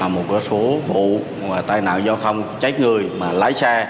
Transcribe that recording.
một số vụ tai nạn do không chết người mà lái xe